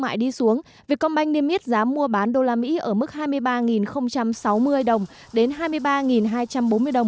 mại đi xuống việt công banh niêm yết giá mua bán đô la mỹ ở mức hai mươi ba sáu mươi đồng đến hai mươi ba hai trăm bốn mươi đồng